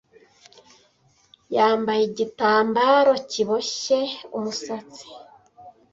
Yambaye igitambaro kiboshye umusatsi.